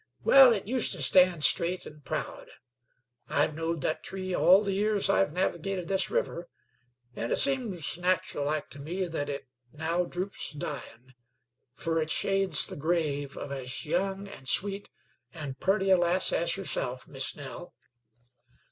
Wal, it used to stand straight an' proud. I've knowed thet tree all the years I've navigated this river, an' it seems natural like to me thet it now droops dyin', fer it shades the grave of as young, an' sweet, an' purty a lass as yerself, Miss Nell.